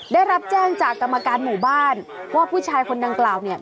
ได้รับแจ้งจากกรรมการหมู่บ้านว่าผู้ชายคนดังกล่าวเนี่ย